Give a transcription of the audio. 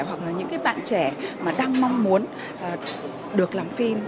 hoặc là những bạn trẻ đang mong muốn được làm phim